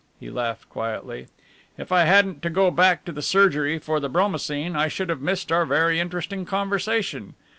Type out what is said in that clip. He laughed quietly. "If I hadn't to go back to the surgery for the Bromocine I should have missed our very interesting conversation.